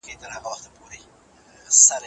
ما یو ښکلی انځور کښلی دی.